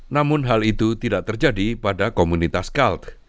namun hal itu tidak terjadi pada komunitas calt